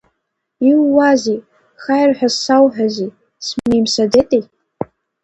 Иууазеи, хаир ҳәа зсауҳәази, смеимсаӡеите?